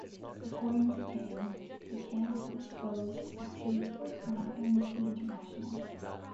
According to Kang, the camp was closed after a report by Amnesty International.